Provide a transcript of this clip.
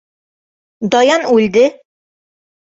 Даян «үлде».